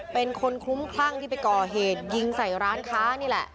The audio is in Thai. เป็นคนคลุ้มคลั่งที่ไปก่อเหตุยิงใส่ร้านค้านี่แหละ